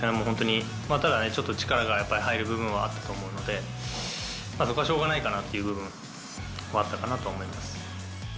本当に、ただちょっと力が入る部分はあったと思うので、そこはしょうがないっていう部分はあったかなとは思います。